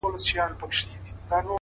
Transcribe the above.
o که مي د دې وطن له کاڼي هم کالي څنډلي،